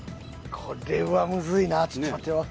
これはムズいなちょっと待ってよ